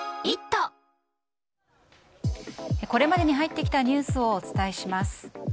これまでに入ってきたニュースをお伝えします。